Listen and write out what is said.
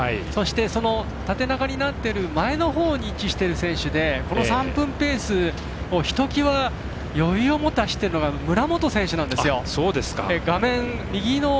そして、その縦長になっている前のほうに位置している選手でこの３分ペースをひときわ余裕を持って走っているのが村本選手なんです。